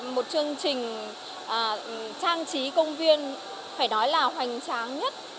một chương trình trang trí công viên phải nói là hoành tráng nhất